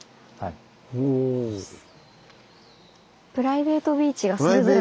プライベートビーチがそれぞれ。